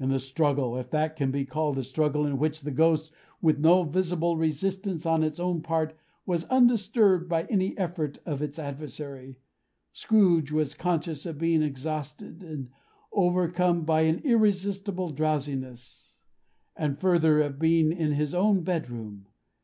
In the struggle if that can be called a struggle in which the Ghost, with no visible resistance on its own part was undisturbed by any effort of its adversary Scrooge was conscious of being exhausted, and overcome by an irresistible drowsiness; and, further, of being in his own bed room.